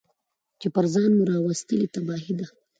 چي پر ځان مو راوستلې تباهي ده